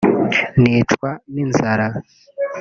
nicwa n’inzara